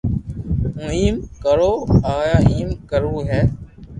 ھون ايم ڪرو ابا ايم ڪروي ھي